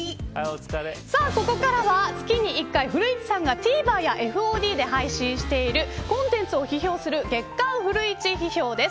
ここからは月２回古市さんがＴＶｅｒやＦＯＤで配信しているコンテンツを批評する月刊フルイチ批評です。